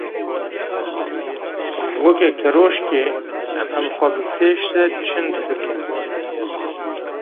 Weke keroşkê em xwe bi pêş de çind bikin.